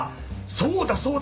そうだそうだ！